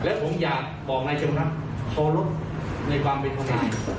เออทำไหม